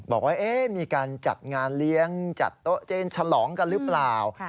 บอกว่ามีการจัดงานเลี้ยงจัดโต๊ะจีนฉลองกันหรือเปล่า